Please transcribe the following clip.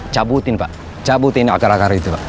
cabutin pak cabutin akar akar itu pak